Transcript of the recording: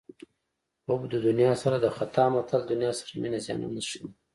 حب د دنیا سر د خطا متل د دنیا سره مینې زیانونه ښيي